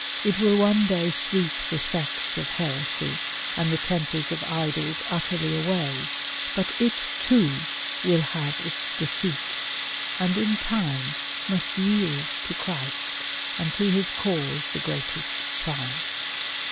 It will one day sweep the sects of heresy and the temples of idols utterly away; bat it too will have its defeat, and in time must yield to Christ and to His cause the greatest triumph.